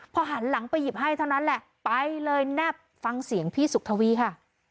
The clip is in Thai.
พอหันหลังไปหยิบให้เท่านั้นแหละไปเลยแนบฟังเสียงพี่สุขทวีค่ะ